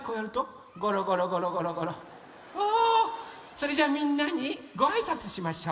それじゃみんなにごあいさつしましょう。